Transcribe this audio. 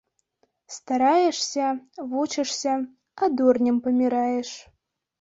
Стараешся, вучышся, а дурнем паміраеш